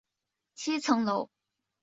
七层楼是夹竹桃科娃儿藤属的植物。